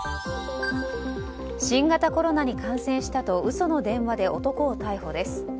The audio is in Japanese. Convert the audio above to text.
新型コロナに感染したと嘘の電話で男を逮捕です。